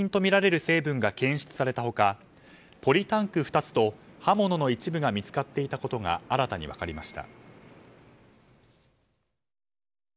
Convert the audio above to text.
警察によりますと現場からは、ガソリンとみられる成分が検出された他ポリタンク２つと刃物の一部が見つかっていたことが新たに分かりました。